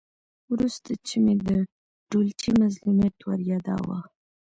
ورسته چې مې د ډولچي مظلومیت وریاداوه.